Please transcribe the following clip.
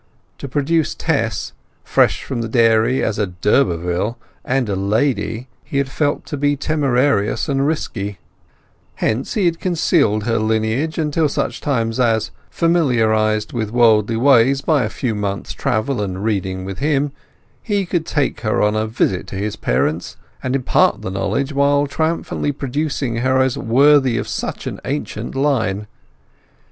To produce Tess, fresh from the dairy, as a d'Urberville and a lady, he had felt to be temerarious and risky; hence he had concealed her lineage till such time as, familiarized with worldly ways by a few months' travel and reading with him, he could take her on a visit to his parents and impart the knowledge while triumphantly producing her as worthy of such an ancient line.